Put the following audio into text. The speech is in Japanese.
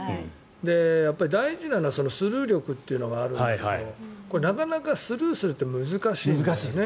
やっぱり大事なのはスルー力というのがあるんだけどなかなかスルーするって難しい。